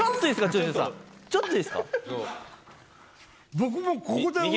ちょっといいですか？